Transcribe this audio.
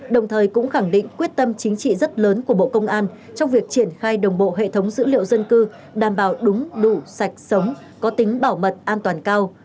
đồng thời cũng khẳng định quyết tâm chính trị rất lớn của bộ công an trong việc triển khai đồng bộ hệ thống dữ liệu dân cư đảm bảo đúng đủ sạch sống có tính bảo mật an toàn cao